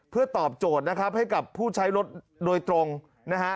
เพื่อตอบโจทย์นะครับให้กับผู้ใช้รถโดยตรงนะฮะ